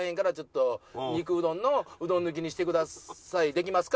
「できますか？」